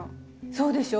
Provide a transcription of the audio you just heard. そうでしょ。